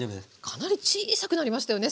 かなり小さくなりましたよね